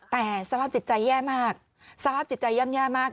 แต่สภาพจิตใจแย่มากสภาพจิตใจย่ำแย่มาก